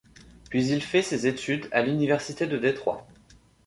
Puis, il fait ses études à l'université de Détroit.